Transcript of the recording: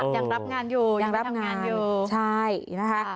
ยังรับงานอยู่ยังรับงานอยู่ใช่นะคะ